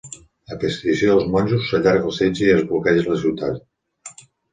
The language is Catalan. A petició dels monjos, s'allarga el setge i es bloqueja la ciutat.